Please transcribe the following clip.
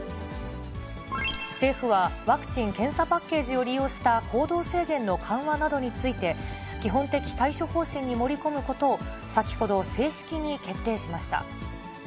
政府はワクチン・検査パッケージを利用した行動制限の緩和などについて、基本的対処方針に盛り込むことを、先ほど、正式に決定しました。